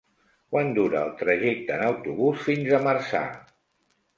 Quant dura el trajecte en autobús fins a Marçà?